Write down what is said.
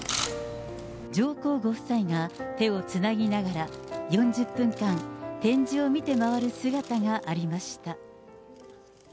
上皇ご夫妻が手をつなぎながら４０分間、展示を見て回る姿がありました。